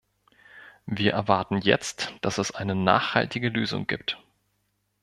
Wir erwarten jetzt, dass es eine nachhaltige Lösung gibt.